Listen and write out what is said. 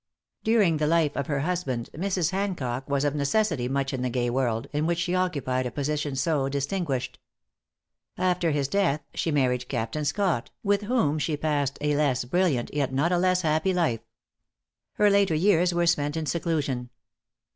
During the life of her husband, Mrs. Hancock was of necessity much in the gay world, in which she occupied a position so distinguished. After his death she married Captain Scott, with whom she passed a less brilliant, yet not a less happy life. Her later years were spent in seclusion.